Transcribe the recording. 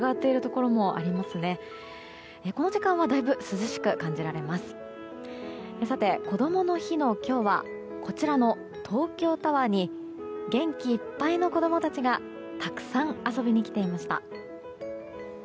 こどもの日の今日はこちらの東京タワーに元気いっぱいの子供たちがたくさん遊びに来ていました。